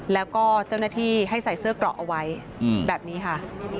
แล้วก็เจ้าหน้าที่ให้ใส่เสื้อเกราะเอาไว้แบบนี้ค่ะ